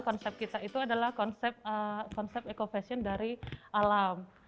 konsep kita itu adalah konsep ekofashion dari alam